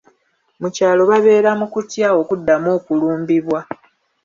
Mu kyalo babeera mu kutya okuddamu okulumbibwa.